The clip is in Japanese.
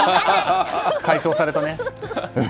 解消されたね。